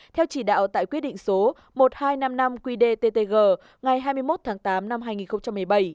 theo chỉ đạo tại quyết định số một nghìn hai trăm năm mươi năm qdttg ngày hai mươi một tháng tám năm hai nghìn một mươi bảy